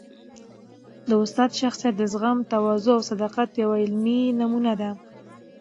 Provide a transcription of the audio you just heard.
د استاد شخصیت د زغم، تواضع او صداقت یوه عملي نمونه ده.